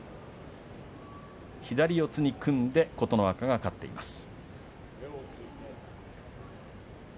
左四つに組んで琴ノ若が勝っています。